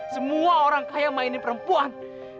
semua orang kaya mainnya perempuan